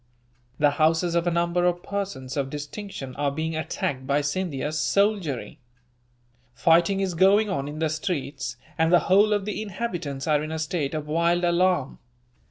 The houses of a number of persons of distinction are being attacked by Scindia's soldiery. Fighting is going on in the streets, and the whole of the inhabitants are in a state of wild alarm.